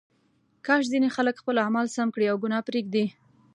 کاش ځینې خلک خپل اعمال سم کړي او ګناه پرېږدي.